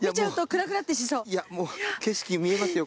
もう景色見えますよ。